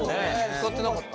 使ってなかった。